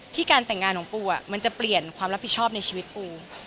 การแต่งงานของปูมันจะเปลี่ยนความรับผิดชอบในชีวิตปู